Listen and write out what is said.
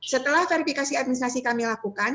setelah verifikasi administrasi kami lakukan